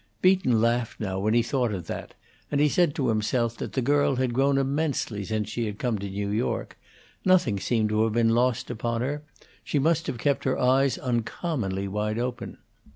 Beaton laughed, now, when he thought of that, and he said to himself that the girl had grown immensely since she had come to New York; nothing seemed to have been lost upon her; she must have kept her eyes uncommonly wide open.